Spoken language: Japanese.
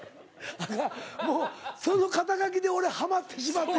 あかんもうその肩書で俺ハマってしまってる。